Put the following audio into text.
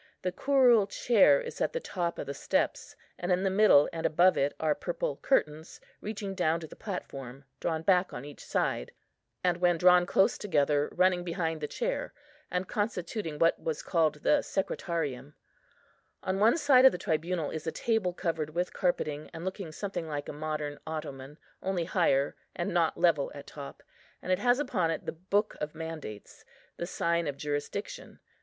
The curule chair is at the top of the steps; and in the middle and above it are purple curtains, reaching down to the platform, drawn back on each side, and when drawn close together running behind the chair, and constituting what was called the secretarium. On one side of the tribunal is a table covered with carpeting, and looking something like a modern ottoman, only higher, and not level at top; and it has upon it the Book of Mandates, the sign of jurisdiction.